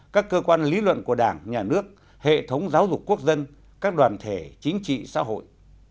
các cơ quan lý luận của đảng nhà nước hệ thống giáo dục quốc dân các đoàn thể chính trị xã hội